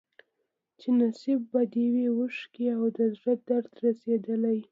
خو نصیب به دي وي اوښکي او د زړه درد رسېدلی